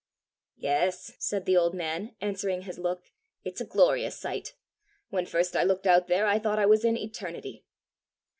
"Yes," said the old man, answering his look, "it's a glorious sight! When first I looked out there I thought I was in eternity."